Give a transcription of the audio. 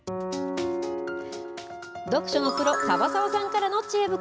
読書のプロ、樺沢さんからのちえ袋。